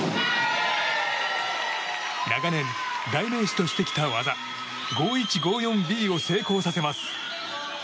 長年、代名詞としてきた技５１５４Ｂを成功させます。